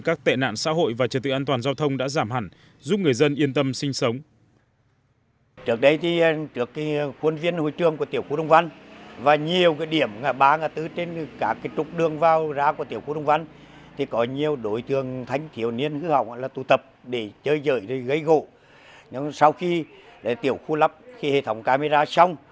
các tệ nạn xã hội và trật tự an toàn giao thông đã giảm hẳn giúp người dân yên tâm sinh sống